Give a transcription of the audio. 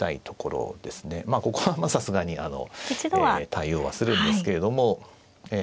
まあここはさすがに対応はするんですけれどもええ